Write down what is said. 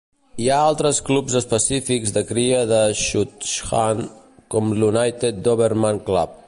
Hi ha altres clubs específics de cria de Schutzhund, com l'United Doberman Club.